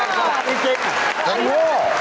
โอ้โฮนี่สละดี